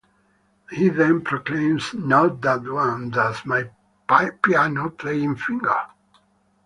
He then proclaims, Not that one, that's my piano playing finger!